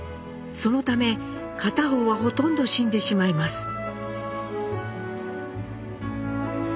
そのため片方はほとんど死んでしまいます。